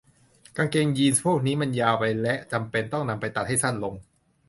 กางเกงยีนส์พวกนี้มันยาวไปและจำเป็นต้องนำไปตัดให้สั้นลง